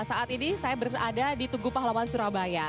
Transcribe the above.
saat ini saya berada di tugu pahlawan surabaya